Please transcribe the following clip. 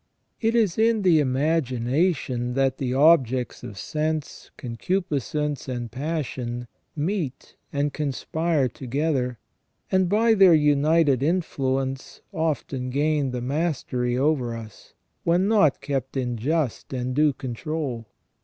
It is in the imagination that the objects of sense, concupiscence, and passion meet and conspire together, and by their united influence often gain the mastery over us, when not kept in just and due control.